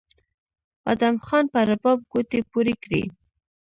ادم خان په رباب ګوتې پورې کړې